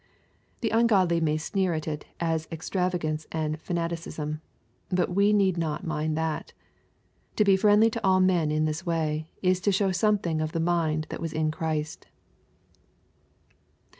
The ungodly may sneer at it as extravagance and fanaticism. But we need not mind that. To be friendly to all men in this way, is to show something of the mind that was in Christ.